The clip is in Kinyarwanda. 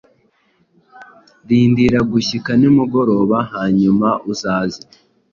Rindira gushyika nimugoroba hanyuma uzaze